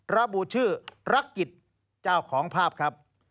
ระบุชื่อรักกิจเจ้าของภาพครับ